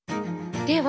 では